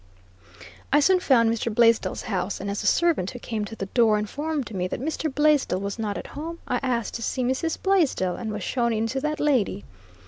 I soon found Mr. Blaisdell's house, and as the servant who came to the door informed me that Mr. Blaisdell was not at home, I asked to see Mrs. Blaisdell, And was shown in to that lady.